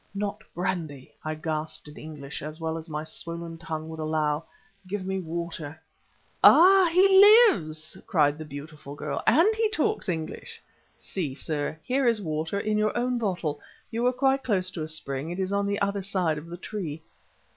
"Not brandy," I gasped in English as well as my swollen tongue would allow; "give me water." "Ah, he lives!" cried the beautiful girl, "and he talks English. See, sir, here is water in your own bottle; you were quite close to a spring, it is on the other side of the tree."